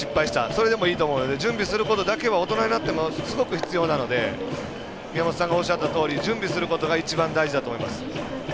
それでもいいと思うので準備することだけは大人になってもすごく必要なので宮本さんがおっしゃったとおり準備することが一番大事だと思います。